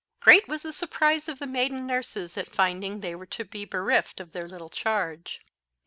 _ Great was the surprise of the maiden nurses at finding they were to be bereft of their little charge.